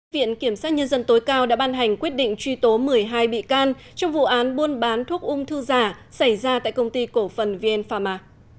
viện kiểm sát nhân dân tối cao đã ban hành quyết định truy tố một mươi hai bị can trong vụ án buôn bán thuốc ung thư giả xảy ra tại công ty cổ phần vn pharma